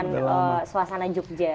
dengan suasana jogja